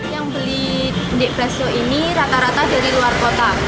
yang beli nik blestio ini rata rata dari luar kota